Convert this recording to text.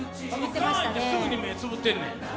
すぐに目つむってんねん。